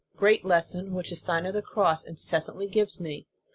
Great lesson, which the Sign of the Cross incessantly gives me.